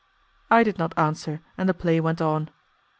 I did not answer, and the play went on.